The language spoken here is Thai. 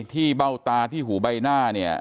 เบ้าตาที่หูใบหน้าเนี่ย